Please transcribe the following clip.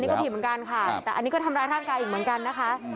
ก็ผิดเหมือนกันค่ะแต่อันนี้ก็ทำร้ายร่างกายอีกเหมือนกันนะคะ